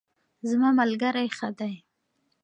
زما ملګرۍ ښه دی